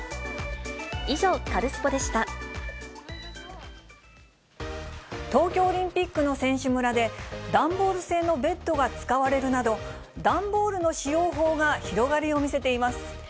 以上、東京オリンピックの選手村で、段ボール製のベッドが使われるなど、段ボールの使用法が広がりを見せています。